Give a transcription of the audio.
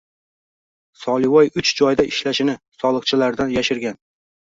Solivoy uch joyda ishlashini soliqchilardan yashirgan